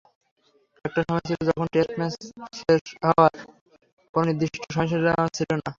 একটা সময় ছিল যখন টেস্ট ম্যাচ শেষ হওয়ার কোনো নির্দিষ্ট সময়সীমা ছিল না।